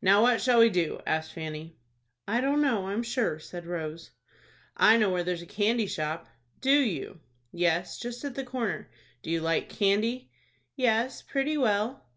"Now, what shall we do?" asked Fanny. "I don't know, I'm sure," said Rose. "I know where there's a candy shop." "Do you?" "Yes, just at the corner. Do you like candy?" "Yes, pretty well."